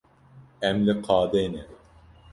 Em li qadê ne.